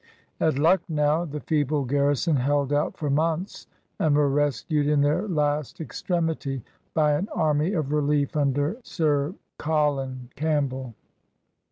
At Lucknow, the feeble garrison held out for months, and were rescued in their last extremity by an army of relief under Sir Colin Campbell.